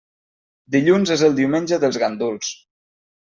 Dilluns és el diumenge dels ganduls.